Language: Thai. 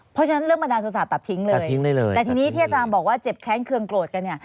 เพราะฉะนั้นเรื่องบันดาลโทษะตัดทิ้งเลยทิ้งได้เลยแต่ทีนี้ที่อาจารย์บอกว่าเจ็บแค้นเครื่องโกรธกันเนี่ย